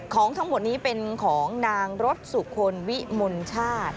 ของทั้งหมดนี้เป็นของนางรสสุคลวิมลชาติ